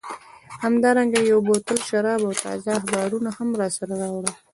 همدارنګه یو بوتل شراب او تازه اخبارونه هم راسره راوړه.